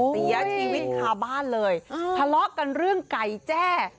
เสียชีวิตคาบ้านเลยทะเลาะกันเรื่องไก่แจ้